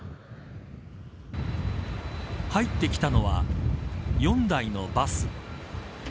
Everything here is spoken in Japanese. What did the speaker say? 入ってきたのは４台のバス。